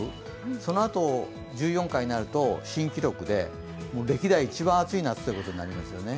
そのあと１４回になると新記録で歴代一番暑い夏ということになりますよね。